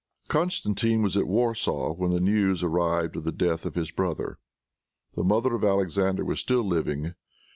Constantine was at Warsaw when the news arrived of the death of his brother. The mother of Alexander was still living.